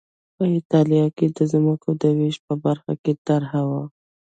په اېټالیا کې د ځمکو د وېش په برخه کې طرحه وه